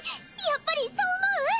やっぱりそう思う？